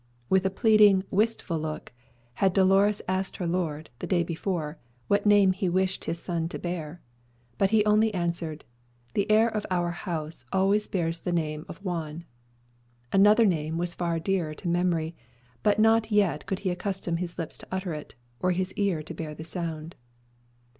With a pleading, wistful look had Dolores asked her lord, the day before, what name he wished his son to bear. But he only answered, "The heir of our house always bears the name of Juan." Another name was far dearer to memory; but not yet could he accustom his lips to utter it, or his ear to bear the sound.